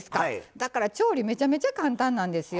だから調理めちゃめちゃ簡単なんですよ。